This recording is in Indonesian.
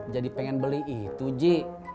jadi pengen beli itu ji